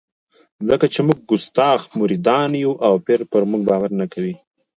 ځکه چې موږ کستاخ مریدان یو او پیر پر موږ باور نه کوي.